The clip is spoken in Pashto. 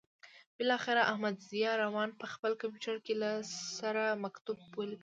بالاخره احمدضیاء روان په خپل کمپیوټر کې له سره مکتوب ولیکه.